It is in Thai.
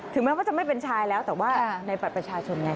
ถึงแม้ว่าจะไม่เป็นชายแล้วแต่ว่าในปรัชญาชนไง